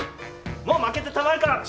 もう負けてたまるか！